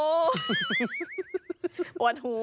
โอ้โฮโอดหู